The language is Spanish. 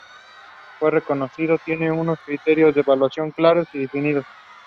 El reconocimiento tiene unos criterios de evaluación claros y definidos.